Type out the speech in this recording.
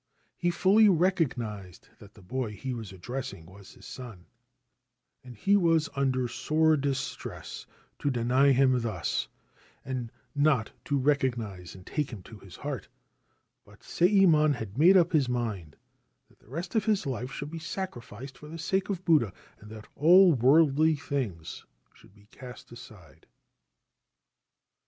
He fully recognised that the boy he was addressing was his son, and he was under sore distress to deny him thus, and not to recognise and take him to his heart ; but Sayemon had made up his mind that the rest of his life should be sacrificed for the sake of Buddha, and that all worldly things should be cast aside.